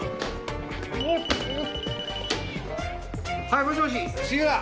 はいもしもし杉浦。